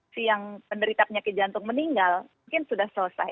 si yang penderita penyakit jantung meninggal mungkin sudah selesai